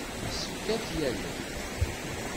Yessefk ad t-yalel.